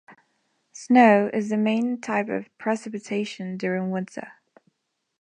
Snow is the main type of precipitation during winter.